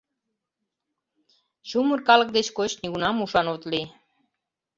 Чумыр калык деч коч нигунам ушан от лий.